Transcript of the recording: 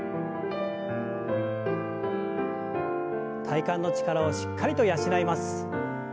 体幹の力をしっかりと養います。